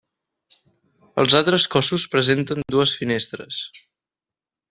Els altres cossos presenten dues finestres.